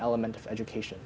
elemen manusia di pendidikan